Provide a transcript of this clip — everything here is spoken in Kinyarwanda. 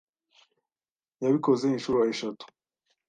Yabikoze inshuro eshatu